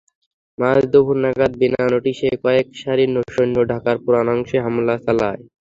মাঝদুপুর নাগাদ বিনা নোটিশেই কয়েক সারি সৈন্য ঢাকার পুরান অংশে হামলা চালায়।